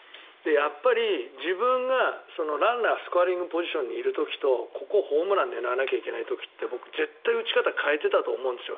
やっぱり自分がランナースコアリングポジションにいる時とここ、ホームラン狙わなきゃいけない時って絶対に、打ち方を変えていたと思うんですよ。